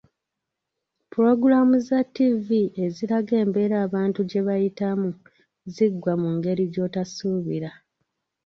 Pulogulaamu za ttivi eziraga embeera abantu gye bayitamu ziggwa mu ngeri gy'otasuubira.